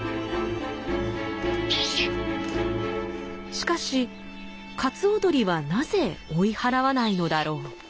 しかしカツオドリはなぜ追い払わないのだろう？